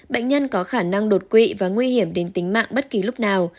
bệnh nhân có khả năng đột quỵ và nguy hiểm đến tính mạng bất kỳ lúc nào